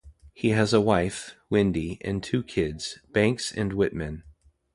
He has a wife, Wendy, and two kids, Banks and Whitman.